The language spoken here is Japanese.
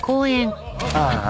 ああ